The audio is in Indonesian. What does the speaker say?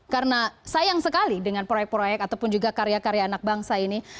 karena sayang sekali dengan proyek proyek ataupun juga karya karya anak bangsa ini